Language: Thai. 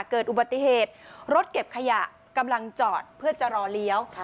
เกิดอุบัติเหตุรถเก็บขยะกำลังจอดเพื่อจะรอเลี้ยว